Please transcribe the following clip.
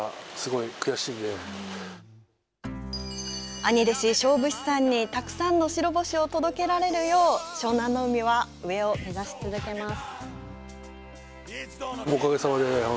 兄弟子、勝武士さんにたくさんの白星を届けられるよう湘南乃海は上を目指し続けます。